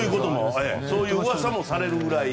そういううわさもされるぐらい。